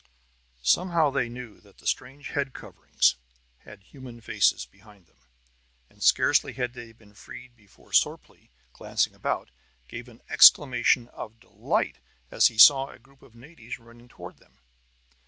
Somehow they knew that the strange head coverings had human faces behind them. And scarcely had they been freed before Sorplee, glancing about, gave an exclamation of delight as he saw a group of natives running toward them.